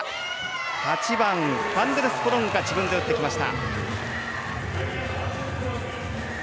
８番、ファンデルスプロングが自分で打ってきました。